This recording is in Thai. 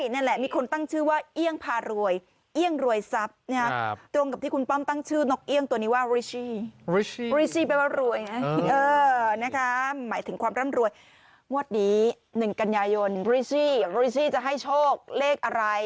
นะครับหมายถึงความร่ำรวยวัดดีหนึ่งกัญญายนบริซี่บริซี่จะให้โชคเลขอะไร